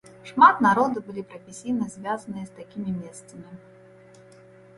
Шмат народу былі прафесійна звязаныя з такімі месцамі.